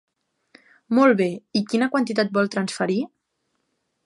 Molt bé, i quina quantitat vol transferir?